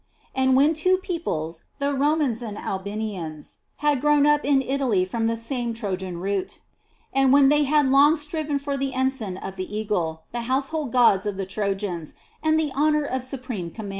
3. And when two peoples, the Romans and Albanians, had grown up in Italy from the same Trojan root, and when they had long striven for the ensign of the eagle, the household gods of the Trojans, and the honor of supreme com